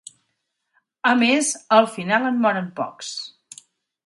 A més, al final en moren pocs.